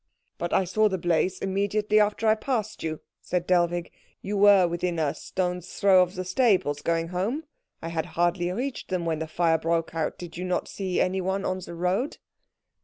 "But I saw the blaze immediately after I passed you," said Dellwig. "You were within a stone's throw of the stables, going home. I had hardly reached them when the fire broke out. Did you then see no one on the road?"